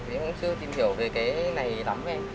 em cũng chưa tìm hiểu về cái này lắm em